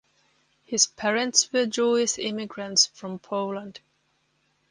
His parents were Jewish immigrants from Poland.